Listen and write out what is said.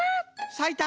さいた！